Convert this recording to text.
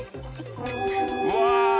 うわ。